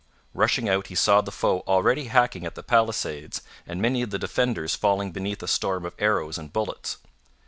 Rushing out he saw the foe already hacking at the palisades and many of the defenders falling beneath a storm of arrows and bullets.